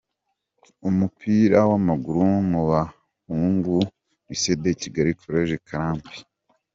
Umupira w’amaguru mu bahungu: Lycée de Kigali, College Karambi.